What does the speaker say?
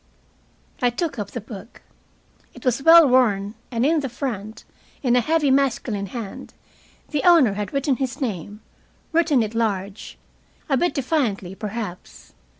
I took up the book. It was well worn, and in the front, in a heavy masculine hand, the owner had written his name written it large, a bit defiantly, perhaps.